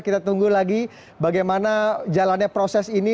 kita tunggu lagi bagaimana jalannya proses ini